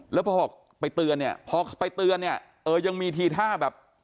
แล้วพอบอกไปเตือนเนี่ยพอไปเตือนเนี่ยเออยังมีทีท่าแบบ